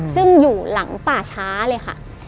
ซึ่งอยู่หลังป่าช้าเลยค่ะ